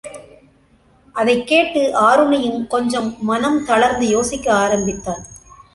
அதைக் கேட்டு ஆருணியும் கொஞ்சம் மனம் தளர்ந்து யோசிக்க ஆரம்பித்தான்.